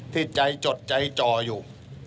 ที่ใจจดใจจ่ออยู่